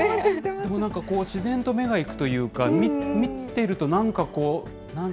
でもなんか自然と目がいくというか、見てるとなんかこう、なんか。